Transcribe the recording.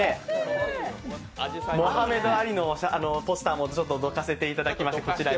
モハメド・アリのポスターもどかせていただいて